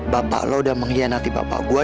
bapak lo udah mengkhianati bapak gue